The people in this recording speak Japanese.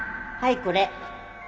はいこれ。